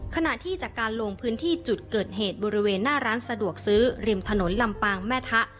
ขณะที่จากการลงพื้นที่จุดเกิดเหตุบริเวณหน้าร้านสะดวกซื้อริมถนนลำปางแม่ทะ